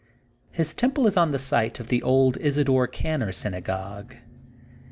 His temple is on the site of the old Isador Kanner Synagogue.